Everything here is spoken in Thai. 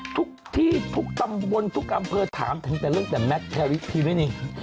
ทุกที่ทุกตำบลทุกอำเภอถามถึงแต่เรื่องแต่แมทแคลิสพีวินี